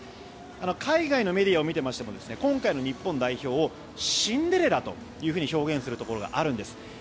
海外のメディアを見ていましても今回の日本代表をシンデレラというふうに表現するところがあるんです。